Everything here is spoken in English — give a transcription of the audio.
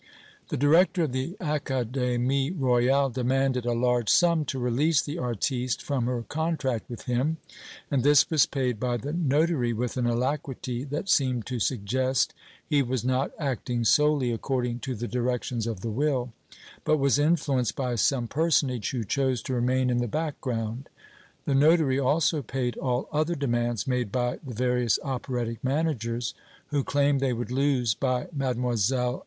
The director of the Académie Royale demanded a large sum to release the artiste from her contract with him, and this was paid by the notary with an alacrity that seemed to suggest he was not acting solely according to the directions of the will, but was influenced by some personage who chose to remain in the background; the notary also paid all other demands made by the various operatic managers who claimed they would lose by Mlle.